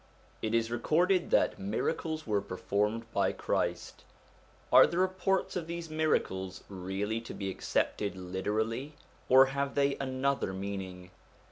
It is recorded that miracles were performed by Christ : are the reports of these miracles really to be accepted literally, or have they another meaning